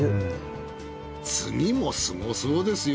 次もすごそうですよ。